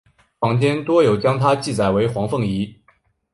坊间多有将她记载为黄凤仪。